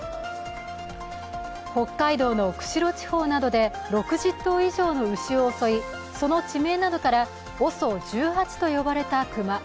北海道の釧路地方で６０頭以上の牛を襲いその地名などからＯＳＯ１８と呼ばれた熊。